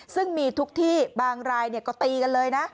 ซึ่งมีทุกที่บางรายก็ตีกันเลยนะ